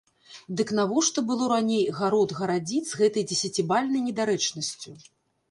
Дык навошта было раней гарод гарадзіць з гэтай дзесяцібальнай недарэчнасцю?